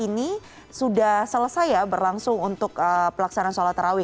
ini sudah selesai ya berlangsung untuk pelaksanaan sholat tarawih